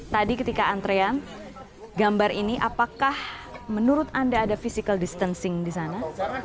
tadi ketika antrean gambar ini apakah menurut anda ada physical distancing di sana